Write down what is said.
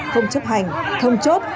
không chấp hành thông chốt